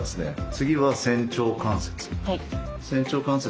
次は仙腸関節。